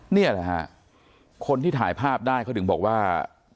นี่แหละฮะคนที่ถ่ายภาพได้เขาถึงบอกว่า